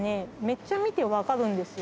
めっちゃ見て分かるんですよ。